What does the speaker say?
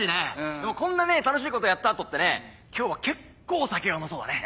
でもこんな楽しいことやった後ってね今日は結構酒がうまそうだね。